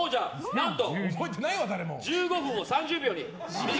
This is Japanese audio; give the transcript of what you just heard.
何と、１５分を３０秒に。